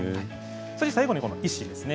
最後に、石ですね。